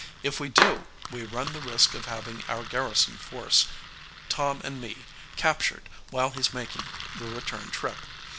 If we do, we run the risk of having our garrison force, Tom and me, captured while he's making the return trip.